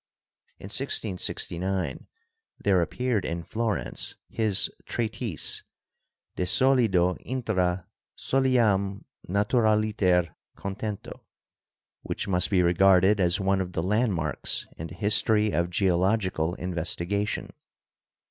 In 1669 there appeared in Florence his treatise, "De Solido intra soliaum naturaliter contento," which must be regarded as one of the landmarks in the history of geological investigation.